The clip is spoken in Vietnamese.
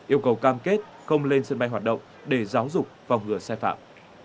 yêu cầu cam kết không lên sân bay hoạt động để giáo dục phòng ngừa sai phạm